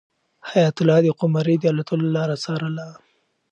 حیات الله د قمرۍ د الوتلو لاره څارله.